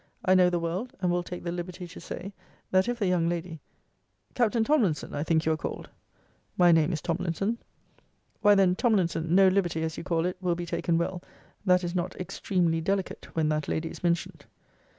I know the world; and will take the liberty to say, that if the young lady Captain Tomlinson, I think you are called? My name is Tomlinson. Why then, Tomlinson, no liberty, as you call it, will be taken well, that is not extremely delicate, when that lady is mentioned.